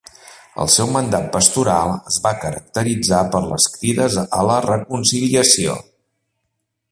El seu mandat pastoral es va caracteritzar per les crides a la reconciliació.